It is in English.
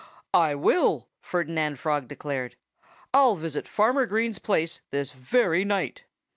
"I will!" Ferdinand Frog declared. "I'll visit Farmer Green's place this very night!"